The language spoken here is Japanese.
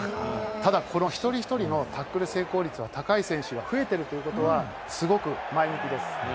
ただ、一人一人のタックル成功率は高い選手が増えているということはすごく前向きです。